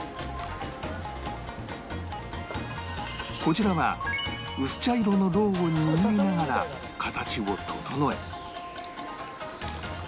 こちらは薄茶色のロウを握りながら形を整え